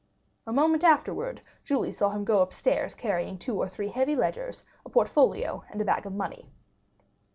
A moment afterwards Julie saw him go upstairs carrying two or three heavy ledgers, a portfolio, and a bag of money.